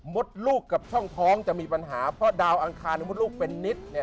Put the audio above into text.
มดลูกกับช่องท้องจะมีปัญหาเพราะดาวอังคารมดลูกเป็นนิดเนี่ย